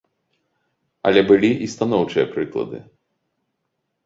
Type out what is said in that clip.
Але былі і станоўчыя прыклады.